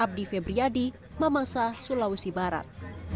dari bupati mamasar bupati mamasar sulawesi barat